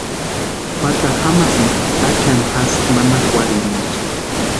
Juatarhu jamasïnti táchani jasï manakwarhiriecha.